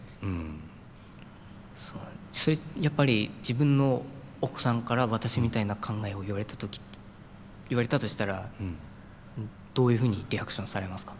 やっぱり自分のお子さんから私みたいな考えを言われたとしたらどういうふうにリアクションされますか？